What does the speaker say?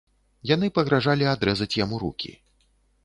Яны пагражалі адрэзаць яму рукі.